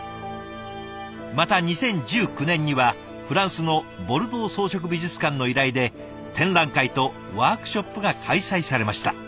また２０１９年にはフランスのボルドー装飾美術館の依頼で展覧会とワークショップが開催されました。